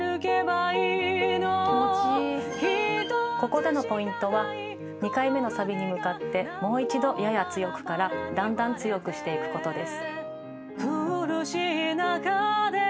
ここでのポイントは２回目のサビに向かってもう一度やや強くからだんだん強くしていくことです。